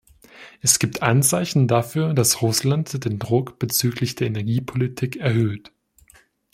Es gibt Anzeichen dafür, dass Russland den Druck bezüglich der Energiepolitik erhöht.